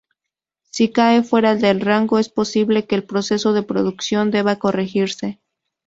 Si cae fuera del rango, es posible que el proceso de producción deba corregirse.